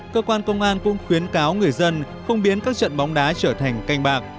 cơ quan công an cũng khuyến cáo người dân không biến các trận bóng đá trở thành canh bạc